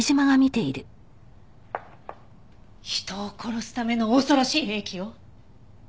人を殺すための恐ろしい兵器よ！